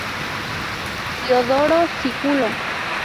Diodoro Sículo.